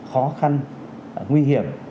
khó khăn nguy hiểm